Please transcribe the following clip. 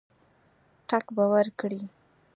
ټګ به ورکړي.